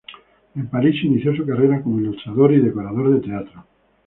En París inició su carrera como ilustrador y decorador de teatro.